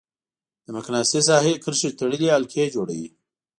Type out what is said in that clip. د مقناطیسي ساحې کرښې تړلې حلقې جوړوي.